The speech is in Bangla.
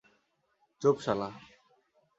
চুপ, শালা!